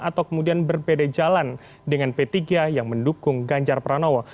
atau kemudian berbeda jalan dengan p tiga yang mendukung ganjar pranowo